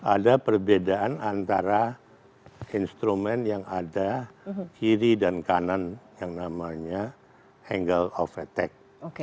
ada perbedaan antara instrumen yang ada kiri dan kanan yang namanya angle of attack